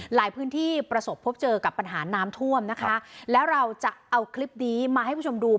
พื้นที่ประสบพบเจอกับปัญหาน้ำท่วมนะคะแล้วเราจะเอาคลิปนี้มาให้คุณผู้ชมดู